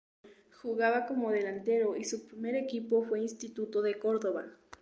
Jugaba como delantero y su primer equipo fue Instituto de Córdoba.